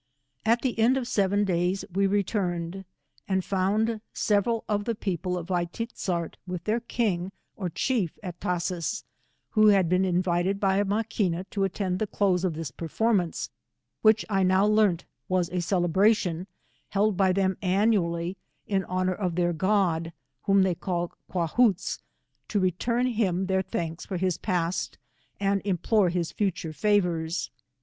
At the end of seven days we returned, and found several of the people of A i tiz zart with their king or chief at Tashees, who had been invited by Ma qaina to attend the close of this performance, which I now learnt was a celebration, held by them an nually, in honour of their god, whom they call Quahootze, to return him their thanks fpr.his past, 121 aud itnplore his future favoca.